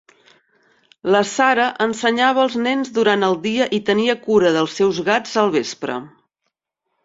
La Sarah ensenyava els nens durant el dia i tenia cura dels seus gats al vespre.